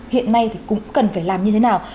hiện nay thì cũng cần phải làm như thế nào